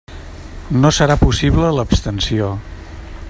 No serà possible l'abstenció.